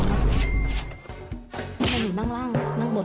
อู๋หนูนั่งล่างนั่งบน